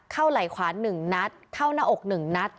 เข้าไหล่ขวานหนึ่งนัดเข้าหน้าอกหนึ่งนัด